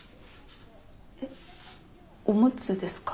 えっおむつですか？